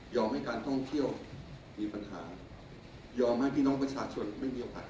ให้การท่องเที่ยวมีปัญหายอมให้พี่น้องประชาชนไม่มีโอกาส